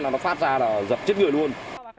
nó phát ra là dập chết người luôn